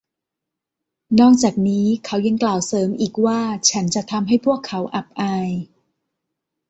นอกจากนี้เขายังกล่าวเสริมอีกว่า ฉันจะทำให้พวกเขาอับอาย